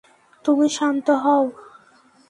তুমি শান্ত হও।